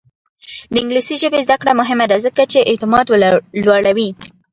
د انګلیسي ژبې زده کړه مهمه ده ځکه چې اعتماد لوړوي.